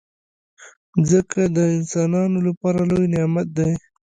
مځکه د انسانانو لپاره لوی نعمت دی.